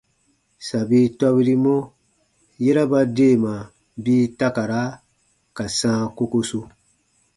Sabi tɔbirimɔ, yera ba deema bii takara ka sãa kokosu.